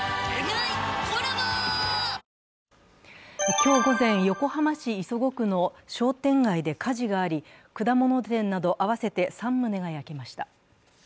今日午前、横浜市磯子区の商店街で火事があり果物店など合わせて３棟が焼けました。